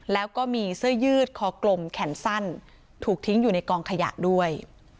แล้วก็มีเสื้อยืดคอกลมแขนสั้นถูกทิ้งอยู่ในกองขยะด้วย